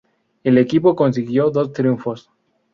El equipo consiguió dos triunfos.